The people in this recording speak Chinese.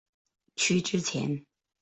区之前。